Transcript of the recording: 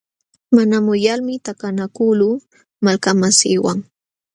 Mana muyalmi takanakuqluu malkamasiiwan.